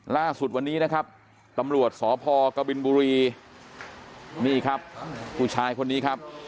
ล่าสุดวันนี้นะครับตำรวจสพกบินบุรีนี่ครับผู้ชายคนนี้ครับ